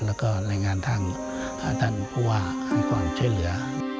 แล้วก็รายงานทางท่านผู้หว่าข้างก่อนเช่นเหลือ